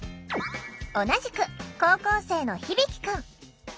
同じく高校生のひびき君。